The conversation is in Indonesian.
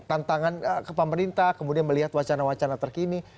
tantangan ke pemerintah kemudian melihat wacana wacana terkini